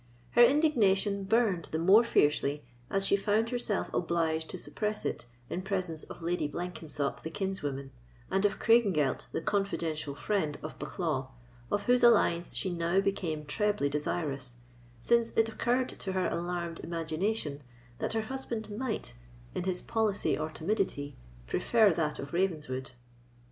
Her indignation burned the more fiercely as she found herself obliged to suppress it in presence of Lady Blenkensop, the kinswoman, and of Craigengelt, the confidential friend, of Bucklaw, of whose alliance she now became trebly desirous, since it occurred to her alarmed imagination that her husband might, in his policy or timidity, prefer that of Ravenswood.